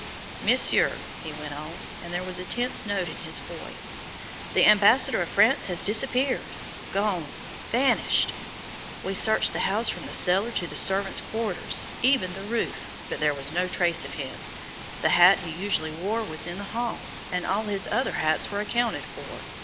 "Monsieur," he went on, and there was a tense note in his voice, "the ambassador of France had disappeared, gone, vanished! We searched the house from the cellar to the servants' quarters, even the roof, but there was no trace of him. The hat he usually wore was in the hall, and all his other hats were accounted for.